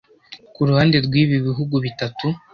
Ku ruhande rw’ibi bihugu bitatu